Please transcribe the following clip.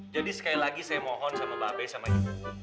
jadi sekali lagi saya mohon sama mba be sama ibu